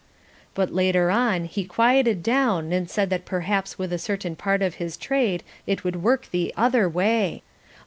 But later on he quieted down and said that perhaps with a certain part of his trade it would work the other way.